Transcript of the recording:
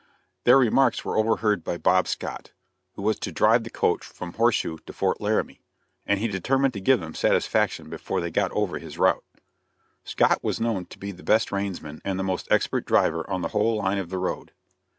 Their remarks were overheard by Bob Scott, who was to drive the coach from Horseshoe to Fort Laramie, and he determined to give them satisfaction before they got over his route. Scott was known to be the best reinsman and the most expert driver on the whole line of the road.